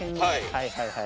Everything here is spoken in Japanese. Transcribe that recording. はいはいはい。